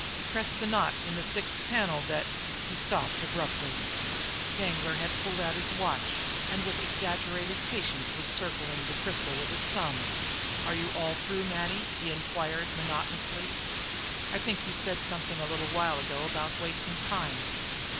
Press the knot in the sixth panel that '" He stopped abruptly. Danglar had pulled out his watch and with exaggerated patience was circling the crystal with his thumb. "Are you all through, Matty?" he inquired monotonously. "I think you said something a little while ago about wasting time.